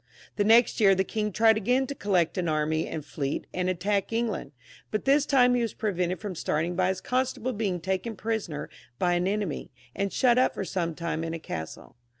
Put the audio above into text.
The next year the king tried again to collect an army and fleet, and attack England ; but this time he was pre vented from starting by his constable being taken prisoner by an enemy, and shut up for some time in a castle.